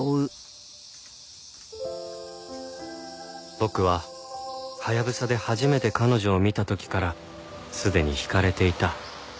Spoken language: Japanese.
僕はハヤブサで初めて彼女を見た時からすでに引かれていた